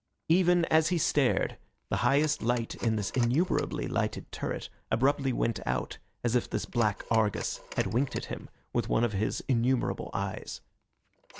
Even as he stared, the highest light in this innumerably lighted turret abruptly went out, as if this black Argus had winked at him with one of his innumerable eyes.